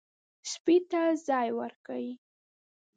سپي ته ځای ورکړئ.